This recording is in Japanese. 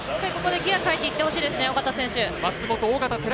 ギア変えていってほしいですね松本選手。